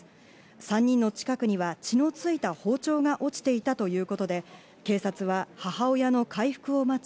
３人の近くには血のついた包丁が落ちていたということで、警察は母親の回復を待ち